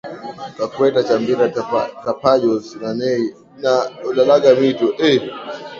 Caqueta Chambira Tapajos Nanay na Huallaga mito